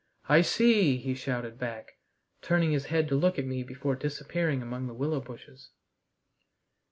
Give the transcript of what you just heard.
"I see," he shouted back, turning his head to look at me before disappearing among the willow bushes.